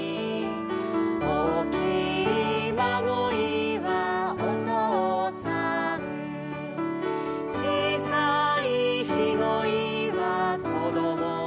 「おおきいまごいはおとうさん」「ちいさいひごいはこどもたち」